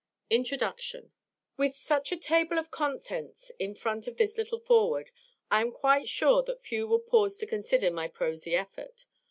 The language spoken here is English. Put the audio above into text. INTRODUCTION With such a table of contents in front of this little foreword, I am quite sure that few will pause to consider my prosy effort.